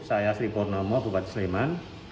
saya sri purnomo bupati sleman